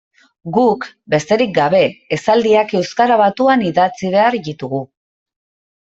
Guk, besterik gabe, esaldiak euskara batuan idatzi behar ditugu.